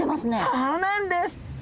そうなんです！